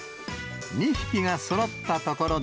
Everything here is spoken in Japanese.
２匹がそろったところで。